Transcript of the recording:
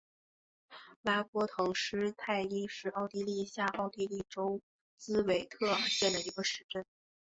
拉波滕施泰因是奥地利下奥地利州茨韦特尔县的一个市镇。